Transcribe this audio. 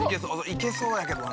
いけそうだけどね。